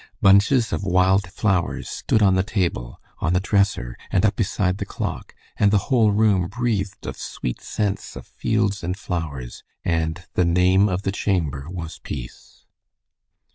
Bunches of wild flowers stood on the table, on the dresser, and up beside the clock, and the whole room breathed of sweet scents of fields and flowers, and "the name of the chamber was peace."